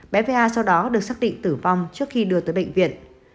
bé va sau đó được xác định tử vong trước khi đưa tới bệnh viện